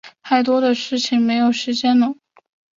太多的事情没时间搂